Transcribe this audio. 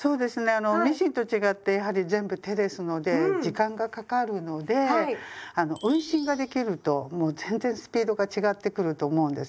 あのミシンと違ってやはり全部手ですので時間がかかるのであの運針ができるともう全然スピードが違ってくると思うんですね。